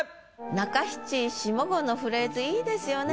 中七下五のフレーズ良いですよね